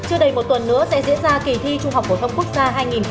chưa đầy một tuần nữa sẽ diễn ra kỳ thi trung học phổ thông quốc gia hai nghìn một mươi chín